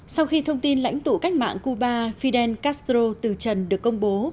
sau khi thông tin lãnh tụ cách mạng cuba fidel castro từ trần được công bố